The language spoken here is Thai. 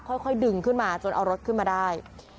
ค่อยดึงขึ้นมาจนเอารถขึ้นมาได้